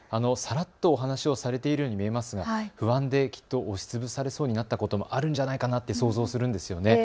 さらっとお話しをされているように見えますが不安で押しつぶされそうになったこともあるんじゃないかなと想像するんです。